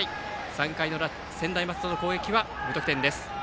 ３回の裏、専大松戸の攻撃は無得点です。